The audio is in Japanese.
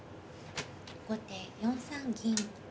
後手４三銀。